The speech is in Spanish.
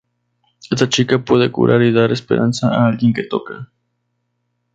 Esta chica puede curar y dar esperanza a alguien que toca.